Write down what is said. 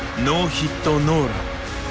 ノーヒットノーラン。